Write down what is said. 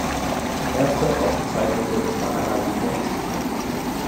Erste Ausgezeichnete war Anna Seghers.